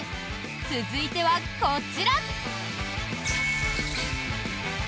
続いては、こちら！